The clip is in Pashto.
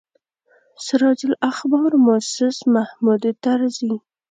سراج الاخبار موسس محمود طرزي.